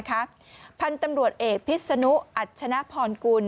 พันธุ์ตำรวจเอกพิษนุอัชนะพรกุล